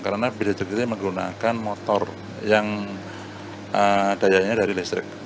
karena bis listrik ini menggunakan motor yang dayanya dari listrik